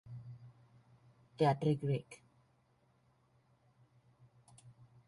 Teatre Grec.